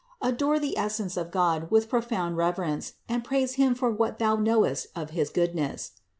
Adore the essence of God with profound reverence, and praise Him for what thou knowest of his goodness.